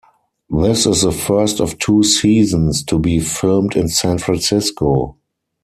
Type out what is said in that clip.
This is the first of two seasons to be filmed in San Francisco.